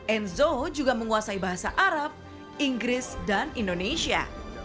enzo juga menguasai bahasa arab inggris dan indonesia